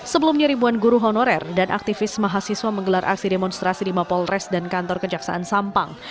sebelumnya ribuan guru honorer dan aktivis mahasiswa menggelar aksi demonstrasi di mapolres dan kantor kejaksaan sampang